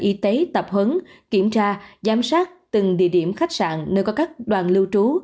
y tế tập huấn kiểm tra giám sát từng địa điểm khách sạn nơi có các đoàn lưu trú